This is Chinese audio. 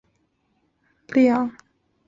乐曲短小而曲风明亮。